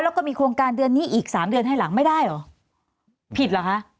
แล้วก็มีโครงการเดือนนี้อีกสามเดือนให้หลังไม่ได้เหรอผิดเหรอคะ